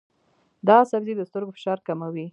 دا سبزی د سترګو فشار کموي.